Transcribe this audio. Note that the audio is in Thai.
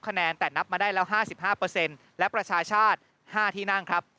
คะแนนแต่นับมาได้แล้ว๕๕และประชาชาติ๕ที่นั่งครับ